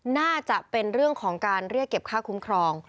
น่าจะเป็นเรื่องของการเรียกเก็บค่าคุ้มครอง